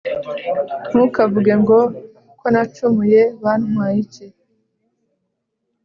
Ntukavuge ngo «Ko nacumuye byantwaye iki?»